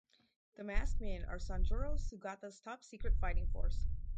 The Maskmen are Sanjuro Sugata's top secret fighting force.